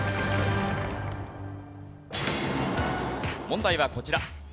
問題はこちら。